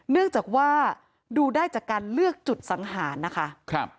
เนื่องจากว่าดูได้จากการเลือกจุดสังหารนะคะ